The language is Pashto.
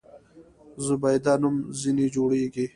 زبیده نوم ځنې جوړېږي.